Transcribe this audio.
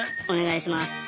お願いします。